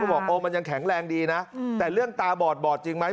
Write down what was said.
บอกโอ้มันยังแข็งแรงดีนะแต่เรื่องตาบอดบอดจริงไหม